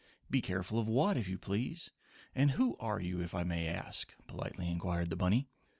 "Be careful of what, if you please, and who are you, if I may ask?" politely inquired the bunny.